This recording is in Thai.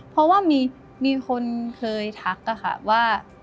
เพราะว่ามีคนเคยทักค่ะว่า